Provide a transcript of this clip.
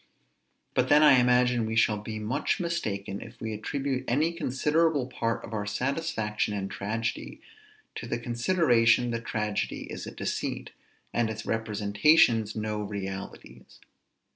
But then I imagine we shall be much mistaken if we attribute any considerable part of our satisfaction in tragedy to the consideration that tragedy is a deceit, and its representations no realities.